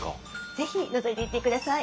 是非のぞいていってください。